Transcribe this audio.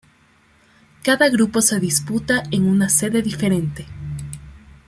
Cada grupo se disputa en una sede diferente.